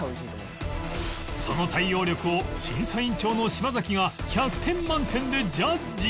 その対応力を審査委員長の島崎が１００点満点でジャッジ